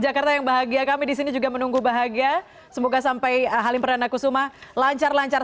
jakarta yang bahagia kami disini juga menunggu bahagia semoga sampai halim perdana kusuma lancar lancar